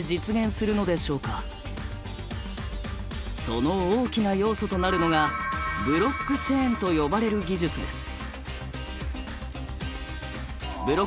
その大きな要素となるのがブロックチェーンと呼ばれる技術です。